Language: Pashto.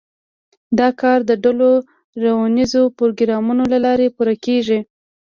دا کار د ډلو روزنیزو پروګرامونو له لارې پوره کېږي.